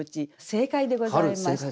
正解でございました。